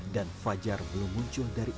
dan fajar belum muncul dari kota